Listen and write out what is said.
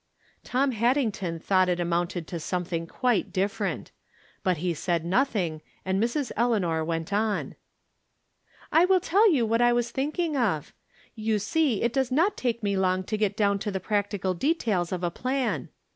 Tom Haddington thought it amounted to something quite different. But he said nothing, and Mrs. Eleanor went on :" I will tell you what I was thinking of. You see it does not take me long to get down to the practical details of a plan.